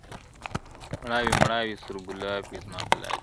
مړاوي مړاوي سور ګلاب وي زما په لاس کي-